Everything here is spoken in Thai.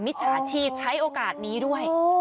จฉาชีพใช้โอกาสนี้ด้วย